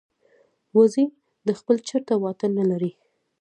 وزې د خپل چرته واټن نه لري